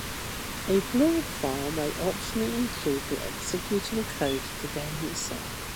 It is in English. A Blorb file may optionally include the executable code of the game itself.